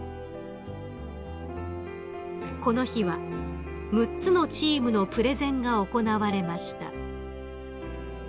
［この日は６つのチームのプレゼンが行われました］